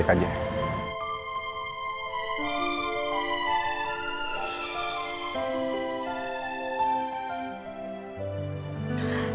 tangan kamu kenapa